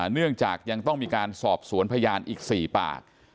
เนื่องจากยังต้องมีการสอบสวนพยานอีก๔ปาก